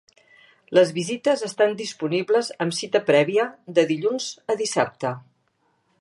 Les visites estan disponibles amb cita prèvia, de dilluns a dissabte.